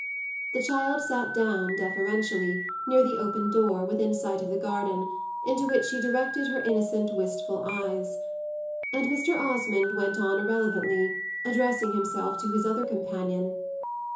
The child sat down, deferentially, near the open door, within sight of the garden, into which she directed her innocent, wistful eyes; and Mr. Osmond went on irrelevantly, addressing himself to his other companion.